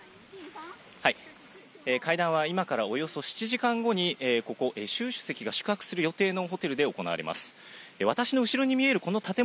会談は今からおよそ７時間後にここ、シュウ主席が宿泊する予定のホテルで行われます。